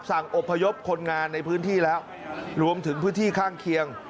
อบพยพคนงานในพื้นที่แล้วรวมถึงพื้นที่ข้างเคียง